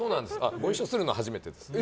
ご一緒するのは初めてです。